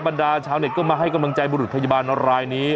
บรรดาชาวเน็ตก็มาให้กำลังใจบุรุษพยาบาลรายนี้